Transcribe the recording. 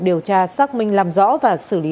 điều tra xác minh làm rõ và xử lý